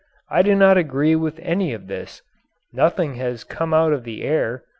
I do not agree with any of this. Nothing has come out of the air.